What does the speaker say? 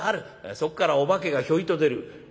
「そっからお化けがひょいと出る」。